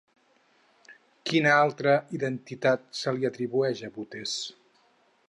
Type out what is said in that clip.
Quina altra identitat se li atribueix a Butes?